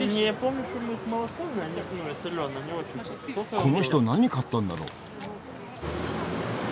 この人何買ったんだろう？